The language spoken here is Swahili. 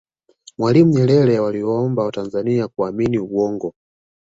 mwalimu nyerere aliwaomba watanzania kuaamini uongo